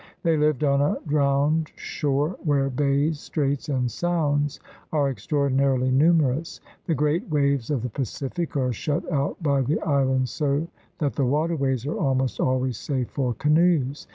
They lived on a drowned shore where bays, straits, and sounds are extraordinarily numerous. The great waves of the Pacific are shut out by the islands so that the waterways are almost always safe for canoes.